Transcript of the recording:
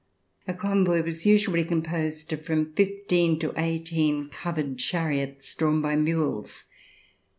A convoy was usually composed of from fifteen to eighteen covered chariots drawn by mules.